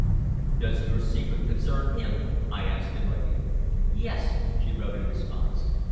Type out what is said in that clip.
"Does your secret concern him?" I asked in writing. "Yes," she wrote in response.